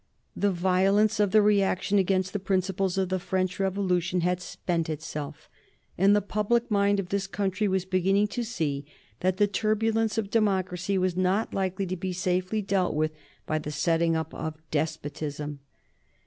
The violence of the reaction against the principles of the French Revolution had spent itself, and the public mind of this country was beginning to see that the turbulence of democracy was not likely to be safely dealt with by the setting up of despotism.